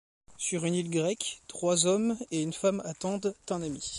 Sur une île grecque, trois hommes et une femme attendent un ami.